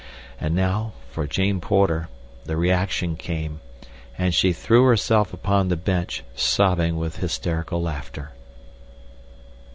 And now, for Jane Porter, the reaction came, and she threw herself upon the bench, sobbing with hysterical laughter.